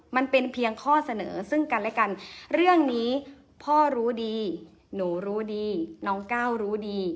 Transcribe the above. มันเป็นเพียงข้อเสนอซึ่งกันและกันเรื่องนี้พ่อรู้ดีหนูรู้ดีน้องก้าวรู้ดี